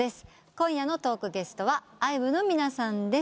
今夜のトークゲストはＩＶＥの皆さんです。